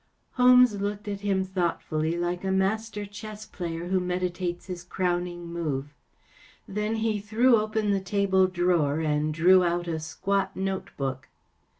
H OLMES looked at him thoughtfully, like a master chess player who medi¬ tates his crowning move. Then he threw open the table drawer and drew out a squat note book.